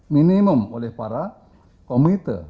minimum oleh para komite